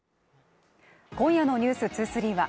今夜の「ｎｅｗｓ２３」は